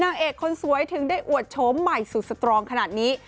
นางเอกคนสวยถึงได้อวดโฉมใหม่สุดสตรองขนาดนี้